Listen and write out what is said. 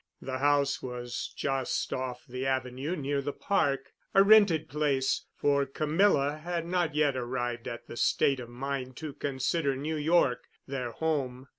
The house was just off the avenue near the Park, a rented place, for Camilla had not yet arrived at the state of mind to consider New York their home.